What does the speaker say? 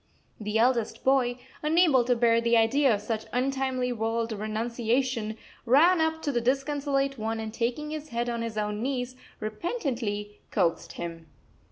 The eldest boy, unable to bear the idea of such untimely world renunciation, ran up to the disconsolate one and taking his head on his own knees repentantly coaxed him.